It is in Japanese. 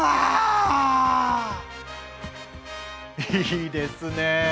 いいですね！